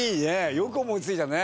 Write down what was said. よく思いついたね。